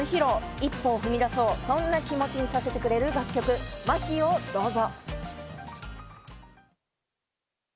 一歩を踏み出そう、そんな気持ちにさせてくれる楽曲、『麻痺』をどうぞ。